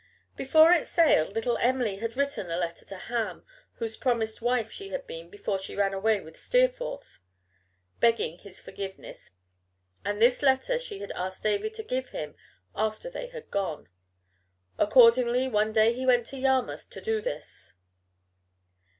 Before it sailed little Em'ly had written a letter to Ham, whose promised wife she had been before she ran away with Steerforth, begging his forgiveness, and this letter she had asked David to give him after they had gone. Accordingly one day he went to Yarmouth to do this.